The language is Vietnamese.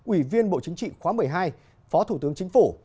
ủy viên bộ chính trị khóa một mươi hai phó thủ tướng chính phủ